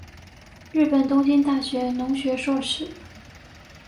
日本东京大学农学硕士。